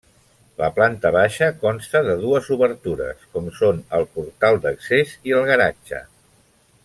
La planta baixa consta de dues obertures, com són el portal d'accés i el garatge.